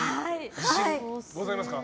自信ございますか？